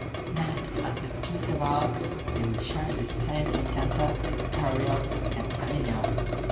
Then, as the twins develop, they will share the same placenta, chorion, and amnion.